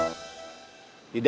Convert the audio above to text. satu dua tiga